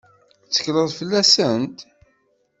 Tettekleḍ fell-asent?